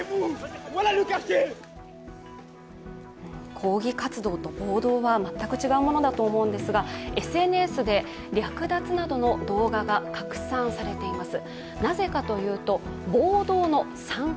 抗議活動と暴動は全く違うものだと思うんですがＳＮＳで略奪などの動画が拡散されています。